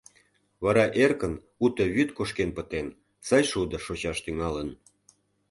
Вара эркын уто вӱд кошкен пытен, сай шудо шочаш тӱҥалын.